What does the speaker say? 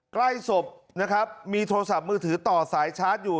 ใกล้ศพนะครับมีโทรศัพท์มือถือต่อสายชาร์จอยู่